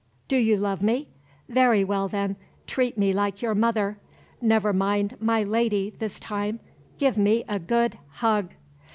Do you love me? Very well, then, treat me like your mother. Never mind 'my lady' this time. Give me a good hug!"